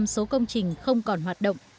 năm số công trình không còn hoạt động